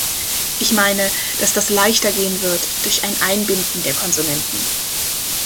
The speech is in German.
Ich meine, dass das leichter gehen wird durch ein Einbinden der Konsumenten.